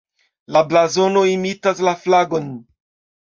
La blazono imitas la flagon.